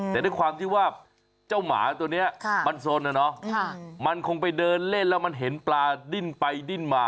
แต่ด้วยความที่ว่าเจ้าหมาตัวนี้มันสนนะเนาะมันคงไปเดินเล่นแล้วมันเห็นปลาดิ้นไปดิ้นมา